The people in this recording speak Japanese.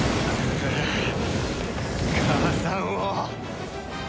母さんを。